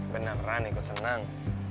beneran ikut senang